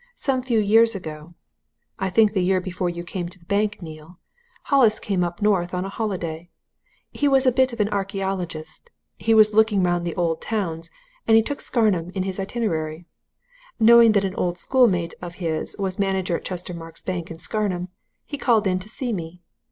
Some few years ago I think the year before you came into the bank, Neale Hollis came up North on a holiday. He was a bit of an archæologist; he was looking round the old towns, and he took Scarnham in his itinerary. Knowing that an old schoolmate of his was manager at Chestermarke's Bank in Scarnham, he called in to see me.